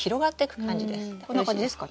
こんな感じですか？